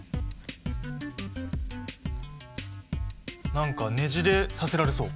何かねじれさせられそう。